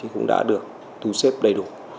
cũng đã được thu xếp đầy đủ